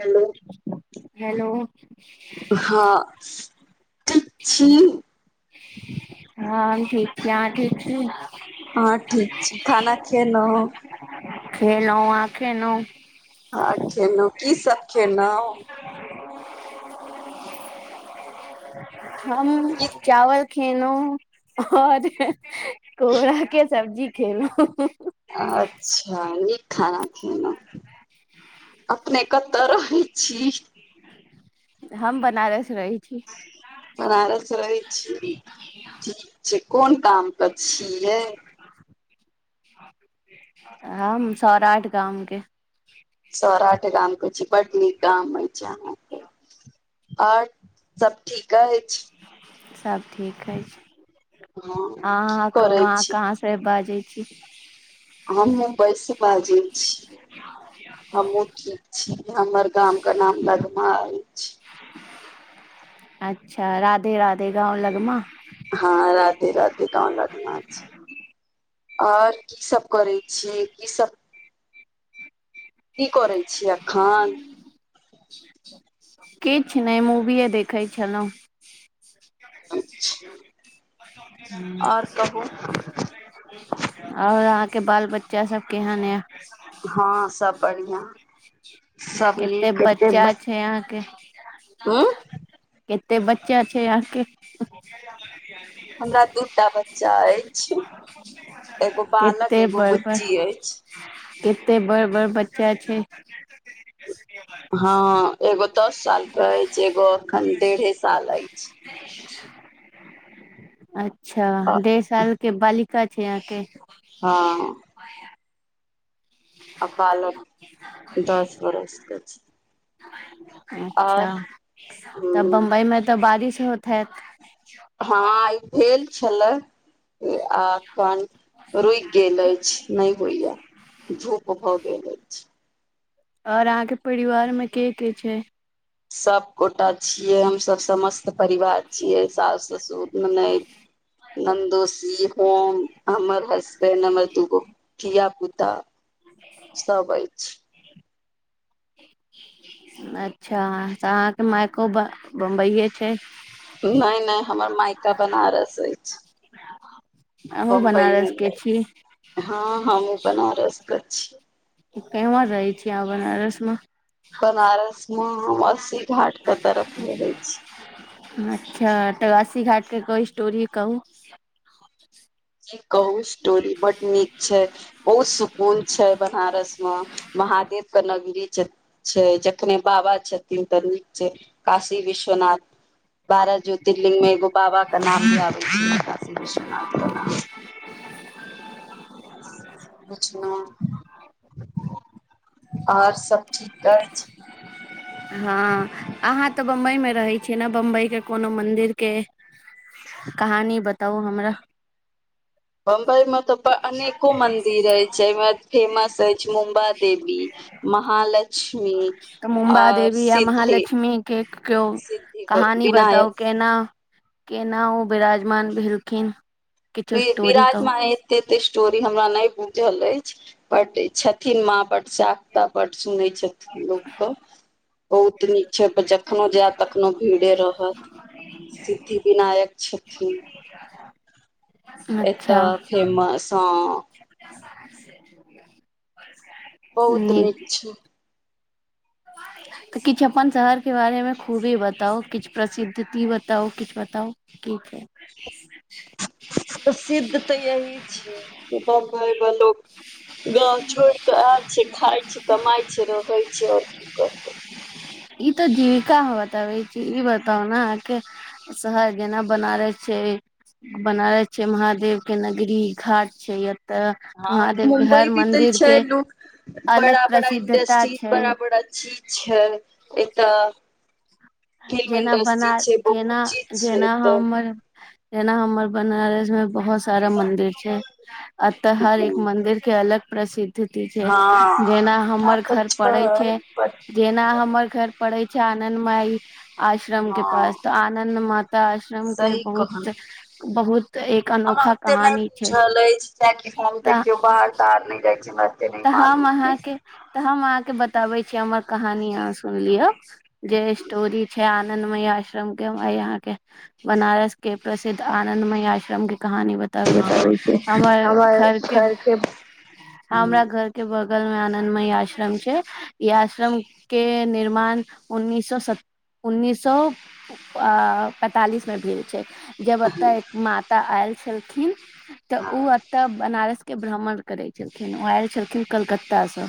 Hello hello हँ ठीक छी हँ ठीक छी अहाँ ठीक छी न हँ ठीक छै और खाना खियएल खेलऊ अहाँ खेलाऊ हँ खेलहु की सभ खेलहु हम की चावल खेलहु और कोरा के सब्जी खेल अच्छा नीक खाना खलहु अपने कतऽ रहै छी हम बनारस रहै छी हम बनारस में रहै छी ठीक छै। कोन काम क छियै हम सौरा आठ गामकेँ सौराठ गाम के छी बड नीक गाम अछि छै। अहाँके। आओर सभ ठीक अछि सभ ठीक है हँ की अहाँ करै कहूह छी कह फ बाजै छी। हम मुम्बइसँ बाजै छीय हमहुँ ठीक छी हमर गाम केँ नाम लगमा अछि। अच्छा राधे राधे गाँव लगमा हँ रति रति कन लगना छै। आओर की सभ करै छियै की सभ की करै छीय एखन किछु नहि मूवीए देखैत छलहुँ और कहू आओर अहाँ के बाल बच्चा सभ केहन ह हँ सभ बढ़िआ कतेक बच्चा छै। यहाँ के उ कतेक बच्चे छै। यहाँके हमरा दूटा बच्चा अछि एगो बालक कते एगो बड़बड़ बुच्ची अछि कते बड़ बड़ बच्चा छै [unintelligible] हा एगो दस साल केँ अछि एगो एखन डेढ़े साल अछि। अच्छा डेढ़ साल के बालिक लिका छै। अहाँके हा आ बालक दस बरस केँ छै। अच्छा और तब हम्म, बम्बई में तऽ बारिश होईत ह त हँ ई भेल छलए आ खन रुकि गेल अछि नहि होइया धूप भए गेल अछि। और अहाँ के परिवार में के के छै। सभ गोटा छियै हमसभ समस सभ परिवार छियै सास ससुर ननैद नन्दोसी हम हमर हसबैंड हमर दूगो धिया पुता सभ अछि। छि अच्छा तऽ अहाँ के माइको मुम्बई छैथ नहि नहि हमर मायका बनारस अछि। अहॅं बम्बई बनारस नहि के अछि। हँ हमहुॅं बनारस कर छी केमहर रहै छीय आहाॅं बनारस में बनारस में हम अस्सी घाट कऽ तरफ रहै छि। अच्छा तऽ अस्सी घाट के कोइ स्टोरी कहू। ई कहु स्टोरी बड नीक छै। बहुत सुकून छै। बनारस मे महादेव के नगरी छै। छै। जखने बाबा छथिन तऽ नीक छै। काशी विश्वनाथ बारह ज्योतिर्लिंग में एगो बाबा कऽ नाम आबै छै। काशी विश्वनाथ अच्छा ने आओर सभ ठीक अछि। हँ अहाँ तऽ बंबई में रहै छियै ने बम्बई के कोनो मंदिर केँ कहानी बताउ हमरा। बम्बई में तऽ अनेको मंदिर अछि जामे फेमस अछि मुम्बा देवी महालक्ष्मी तऽ मुंम्बा आओर देवी आ सिद्धि महालक्ष्मी के कोनो सिद्धि कहानी विनायक बताउ केना केना ओ बिराजमान भेलखिन किछो स्टोरी कहू विराजमन एतेत स्टोरी हमरा नहि बुझल अछि। बड छथिन माँ बड साकता बड सुनै छथिन। लोकके बहुत निक छै। पर जखनो जायब तखनो भीड़े रहत सिद्धि विनायक छथिन। [inaudible] एतऽ अच्छा फेमस हाॅं। [unintelligible] बहुत नीक छै। [unintelligible] तऽ किछ अपन शहर केँ बारे में खूबी बताउ किछ प्रसिद्ध ती तउ किछ बताउ की छै। [inaudible] प्रसिद्ध तऽ अही छै [inaudible] बम्बई में लोक गाव छोड़ कऽ ऐल अछि खाय छि कमाय छि रहे छिय और की करतै [inaudible] ई तऽ जीविका अहाॅं बताबय अछि ई बताउ ने अहाॅंकेँ शहर जेना बनारस छै। बनारस छै महादेव केँ नगरी घाट छै। एतऽ हँ महादेव के मुम्बई हर भी तऽ मंदिर छै के लोक बड़ा अलग बड़ा प्रसिद्धता इंडस्ट्रीज छै बड़ा बड़ा चीज छै [inaudible] एत जेना बना जेना चीज छै जेना एतऽ हमर एना हमर बनारस में बहुत सारा मंदिर छै अत हर एक मंदिर कऽ अलग प्रसिद्ध स्थिति छै हँ जेना ओना हमर तऽ घर पड़ैत छै बट जेना हमर घर पड़े छै आंनद माई आश्रम केँ हँ पास तऽ आंनद मा तऽ आश्रम केँ सही कहल बहुत बहुत एक अनोखा कहानी छै सै की हम कहै तऽ छियै बाहर ताराह नै जाइ छै तऽ हम अहाँकेँ तऽ हम अहाँकेँ बताबै छी हमर कहानी अहाँ सुनलियौ जे स्टोरी छै आनन्दमय आस [unintelligible] आई अहाँकेँ बनारस केँ प्रसिद्ध आनन्दमय आश्रम केँ कहानी बत - तबै छै हमर घर केँ अछि बताबै के हमर घर के हमरा हँ घर केँ बगल में आनदमय आश्रम छै इ आश्रम केँ निर्माण उन्नीस सौ स उन्नीस सौ अऽ पैंतालिस म भेल छै। जब ओ तऽ एक माता आयल छलखिन तऽ ऊ हँ तऽ बनारस केँ भ्रमण करै छलखिन ओ आए छलखिन कलकत्ता स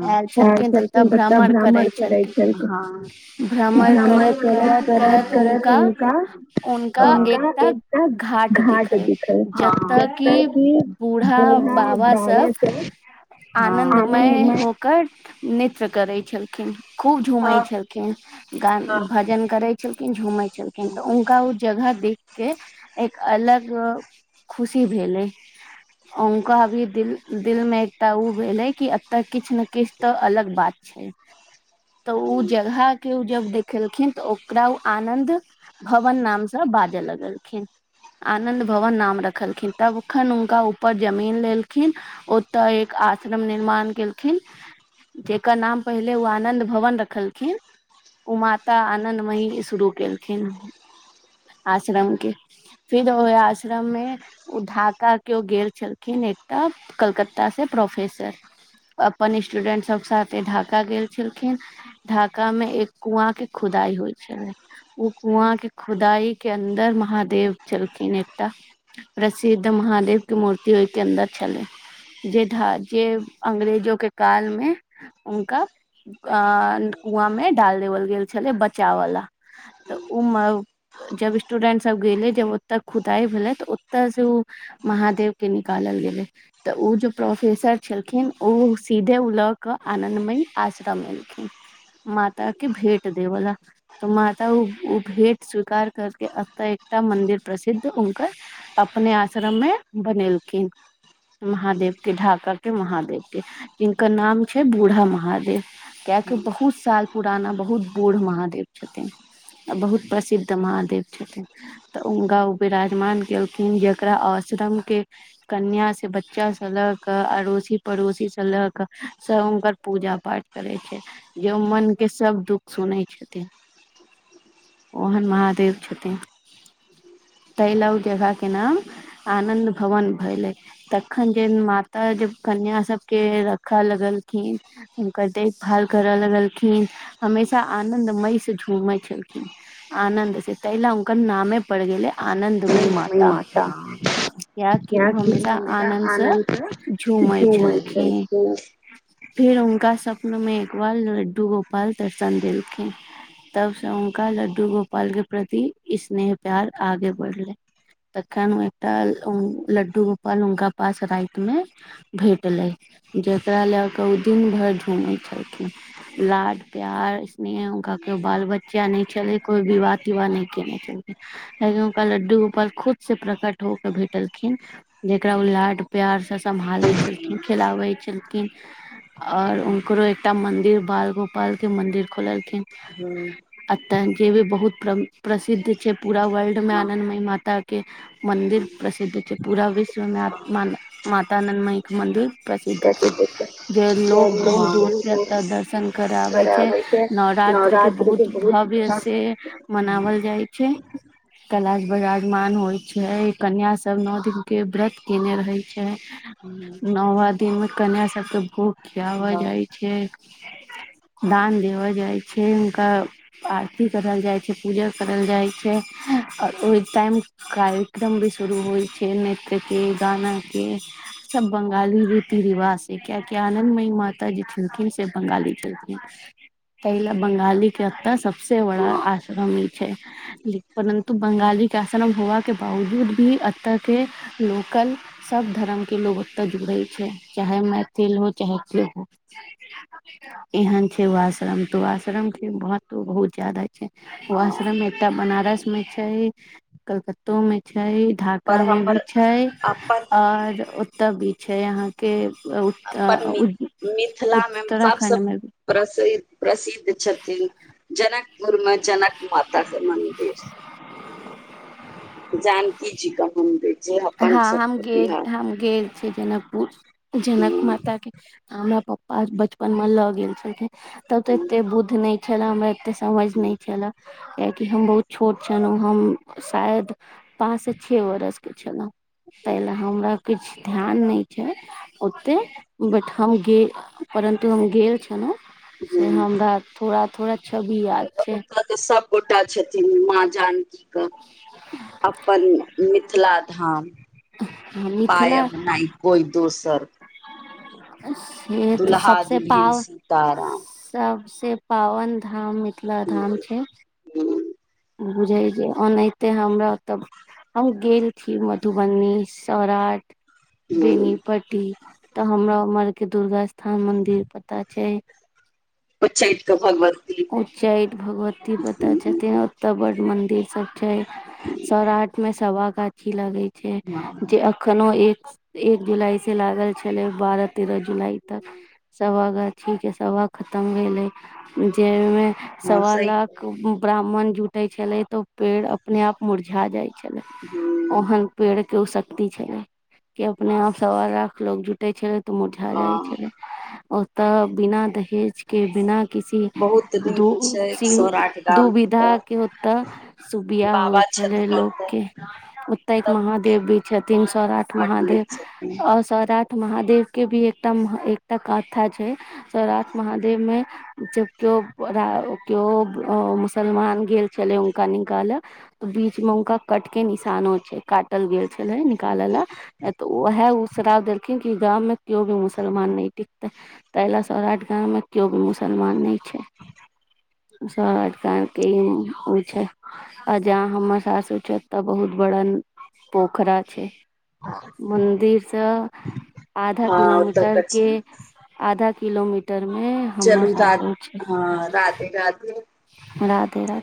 [inaudible] ऐल छलखिन त त तऽ सब भ्रमण करै छलखिन छलखिन [inaudible] भ्रमण करत करत करत उनका [inaudible] उनका एकटा घाट दिखल जत कि बूढ़ा बाबा सब [inaudible] आनन्दमय होकर नृत्य करै छल खिन खूब झुमै छलखिन गान आनन्दमयी भजन करै छलखिन झुमै छलखिन तऽ हुनका उऽ जगह देख केँ एक अलग खुशी भेलै उनका अभी दिल दिल मे एकटा ऊ भेले कि एतय किछ न किछ तऽ अलग बात छै [inaudible] तऽ उऽ जगह केँ उऽ जब देखेलखिन तऽ ओकरा ओ आनन्द भवन नाम स बाज लगलखिन आनंद भवन नाम रखलखिन तबखन हुनका ऊपर जमीन लेलखिन ओत एक आश्रम निर्माण केलखिन जेकर नाम पहिले ओ आनन्द भवन रखलखिन उऽ माता आनन्द माई शुरू केलखिन [inaudible] आश्रम केँ फिर ओ आश्रम में ओ ढाका केओ गेल छलखिन एकटा कलकत्ता से प्रोफेसर अपन स्टूडेन्ट सब साथे ढाका गेल छलखिन ढाका में एक कुआँ कऽ खुदाइ होइ छलै ऊ कुआँ के खुदाई के अन्दर महादेव छलखिन एकटा प्रसिद्ध महादेव के मूर्ति ओय के अन्दर छलै जे धा जे अंग्रेजो के काल मे उनका अ कुआँ मे डाल देबलगेल छलै बचावला त ओमे जब स्टूडेंट सब गेलै जब ओतऽ खुदाइ भेलै तऽ ओत से ओ महादेव के निकालल गेलै त ऊ जो प्रोफेसर छलखिन ऊ सीधे उ लऽ कऽ आनन्दमयी आश्रम एलखिन माता के भेट देवला तऽ माता ऊ ऊ भेंट स्वीकार करके एतऽ एकटा मंन्दिर प्रसिद्ध हुनकर अपने आश्रम मे बनेलखिन महादेव के ढाका के महादेव के जिनकर नाम छै बूढ़ा महादेव कियाकि बहुत साल पुराना बहुत बूढ़ महादेव छथिन आ बहुत प्रसिद्ध महादेव छथिन तऽ उनका ओ विराजमान केलखिन जेकरा आश्रम के कन्या से ब च्चाँ स लऽ कऽ अड़ोसी पड़ोसीसँ लऽ कऽ सभ हुनकर पूजा पाठ करैत छै जे ओ मने सब दुःख सुनै छथिन ओहन महादेव छथिन तइला उ जगह के नाम आनंद भवन भैले अखन जे माता जब कन्या सबके रख लगलखिन हुनकर देखभाल करय लगलखिन हमेशा आनदमय से झूमै छलखिन। आनन्द स तहि ल उनकर नामे पड़ गेलै आनन्दमयी माता कियाकि ओ कियाकि हमेशा आनन्दसँ आनन्द से झूमै छलखिन। फेर उनका स्वप्न में एकबार लड्डू गोपाल दर्शन देलखिन तब स उनका लड्डू गोपाल के प्रति स्नेह प्यार आगे बढ़ले तखन ओ एकटा लड्डू गोपाल हुनका पास राइत। मे भेटलै जकरा लए कऽ ओ दिन भैर झूमै छलखिन। लाड प्यार स्नेह उनका केओ बाल बच्चा नै छले कोइ विवाह तीवाह ने केने चलत कीयाकी उनका लड्डू गोपाल खुद से प्रकट हो के भेटलखिन जकरा उ लाड प्यारसँ सम्हालै छलखिन खेलाबै छलखिन आओर उनकरो एकटा मन्दिर बाल गोपाल के मंन्दिर खोललखिन। अतऽ जे भी बहुत प्रसिद्ध छै पूरा वर्ल्ड मे आनन्दमय माता के मन्दिर प्रसिद्ध छै पूरा विश्वमे माता आनन्दमय के मन्दिर प्रसिद्ध छै जे लोग दूर दूर से एत दर्शन कर आबे छै नवरात्र के बहुत भव्य से मनावल जाय छै कलाश बराजमान होय छै कन्या सब नोत के व्रत केने रहे छै नौवा दिन मे कन्या सबके भोग खियाबऽ हँ जाइ छै दान देबऽ जाइ छै हुनका। आरती करल जाइ छै पूजा करल जाइ छै आओर ओहिटाइम कार्यक्रम भी शुरू होइ छै नृत्यके गाना के। सभ बंगाली रीति रिवाजसँ कियकि आनन्दमयी माता जे छलखिन से बंगाली छलखिन। तै ल बंगाली के एता सबसे बड़ा आश्रम ई छै। ले परन्तु बंगाली के आश्रम होवा के बावजूद भी तऽ के लोकल सभ धर्मके लोक ओतय जुड़ै छै चाहे मैथिल हो। चाहे जे हो एहन छै ओ आश्रम तऽ ओ आश्रम के महत्व बहुत जादा उ आश्रम एकटा बनारस मे छै कलकत्तो में छै। पर [unintelligible] भी हमर छै अपन और ओत भी छै यहां के अपन मि उत उत्तराखण्ड मे प्रसिद् प्रसिद्ध छथिन जनकपुर मे जनक माता के मन्दिर [inaudible] जानकी जी के मंदिर। हँ हम गेल हम गेल छी जनकपुर। जनक माता के हमरा प्पा बचपन मे लऽ गेल छलखिन। तब ते एते बुध नय छले हमरा एते समझ नय छले। कियकि हम बहुत छोट छलहुँ हम शायद पाँच से छे बरस के। छलहु ताहिलए हमरा किछ ध्यान नय छै। ओते बट हम गे परन्तु हम गेल छलो से हमरा थोड़ा थोड़ा छवि याद छै। तऽ सबगोटा छथिन माँ जान [unintelligible] अपन मिथिला धाम। मिथिला पायब नय कोइ दोसर। सेत दुल्हा सबसे दुल्हिन पाव सीताराम सबसे पावन धाम मिथिला ह धाम छै। ह बुझै छी ओनाहितेै हमरा तब हम गेल छी मधुबनी सौराठ ह बेनीपट्टी तऽ हमरा उमहर के दुर्गा स्थान मंदिर पता छै। [unintelligible] भगवती उच्चैठ भगवती पता ह छथि ओत्त बड मंदिर सब छै सौराठ मे सभा गाछ गाछी लगइ छी जे ह अखनो एक एक जुलाई से लागल छलै बारह तेरह जुलाई तक। सभा गाछी के सभा खतम भेलइ जइमे हँ सवा सही लाख कहलियै ब्राह्मण जुटे छलै त ओ पेड़ अपने आप मुरझा जाय छलै हँ ओहन पेड़ के उ शक्ति छलै के अपने आप सवा लाख लोग जुटै छलै त उ मुरझा जाइ हँ छलै। ओतऽ बिना दहेज के बिना बहुत नीक दुउ छै एक सि सौ आठ गाम दुविधा तऽ के ओत शुभ बियाह होइ बाबा छलै छथिन लोक ओतय के ओत एक ओतऽ महादेव भी छथीन सौराठ बड नीक छथिन महादेव ओ सौराठ महादेव के भी एकटा मह एकटा काथा छै सौराठ महादेव मे जब केओ परा केओ मुसलमान गेल छलै हुनका निकाल बीच मे हुनका कट के निशानो छै काटल गेल छलै का लाला त उहा उ श्राप देल खिन कि के गाम मे क्यो भी मुसलमान नय टिकतै तैला सौराठ गाममे क्यो मुसल मुसलमान नय छै। [unintelligible] सौराठ [unintelligible] के ऊ होए छै आ जहां हमर सासुर छै ओतऽ बहुत बड़ा पोखरा छै। मन्दिर स आधा हँ ओतऽ किलोमीटर के छै आधा किलोमीटर मे हमर चलू रा सासुर छै हँ राधे राधे। राधे राधे।